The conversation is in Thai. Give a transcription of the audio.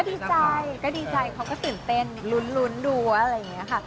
ดีใจก็ดีใจเขาก็ตื่นเต้นลุ้นดูว่าอะไรอย่างนี้ค่ะ